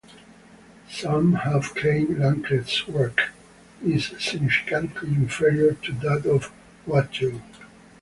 Some have claimed Lancret's work is significantly inferior to that of Watteau.